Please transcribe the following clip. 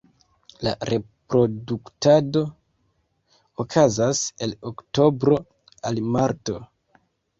La reproduktado okazas el oktobro al marto.